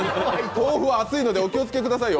豆腐は熱いですからお気をつけくださいよ。